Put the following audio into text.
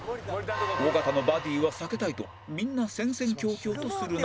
尾形のバディは避けたいとみんな戦々恐々とする中